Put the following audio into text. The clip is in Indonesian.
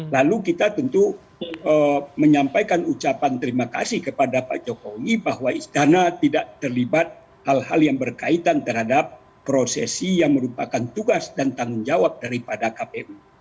lalu kita tentu menyampaikan ucapan terima kasih kepada pak jokowi bahwa istana tidak terlibat hal hal yang berkaitan terhadap prosesi yang merupakan tugas dan tanggung jawab daripada kpu